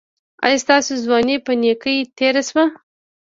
ایا ستاسو ځواني په نیکۍ تیره شوه؟